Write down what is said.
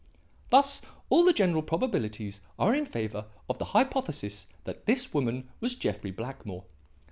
"Thus all the general probabilities are in favour of the hypothesis that this woman was Jeffrey Blackmore.